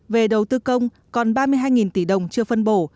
về đầu tư công còn ba mươi hai tỷ đồng chưa phân bổ